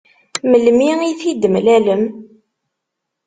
Melmi i t-id-temlalem?